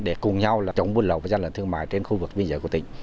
để cùng nhau chống buôn lậu và gian lận thương mại trên khu vực biên giới của tỉnh